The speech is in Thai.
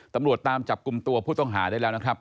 ตำรวจตามจับกลุ่มตัวผู้ต้องหาได้แล้วนะครับ